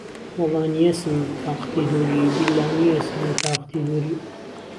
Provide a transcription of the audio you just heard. وهڵا نییهسم تاقتی دووری، بیللا نییهسم تاقتی دووری